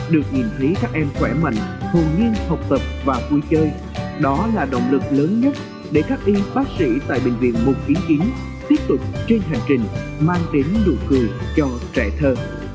được nhìn thấy các em khỏe mạnh thường nghiên học tập và vui chơi đó là động lực lớn nhất để các y bác sĩ tại bệnh viện một trăm chín mươi chín tiếp tục trên hành trình mang đến nụ cười cho trẻ thơ